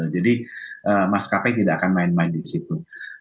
jadi mas kp tidak akan main main di situ